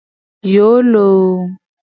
Yoo loo.